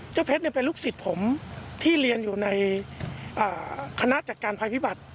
เจ้าเพชรเป็นลูกศิษย์ผมที่เรียนอยู่ในคณะจัดการภัยพิบัติ